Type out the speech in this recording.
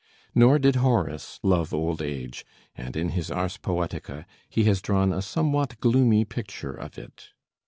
Nor did Horace love old age, and in his 'Ars Poetica' he has drawn a somewhat gloomy picture of it.